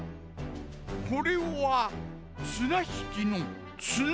これはつなひきのつな！？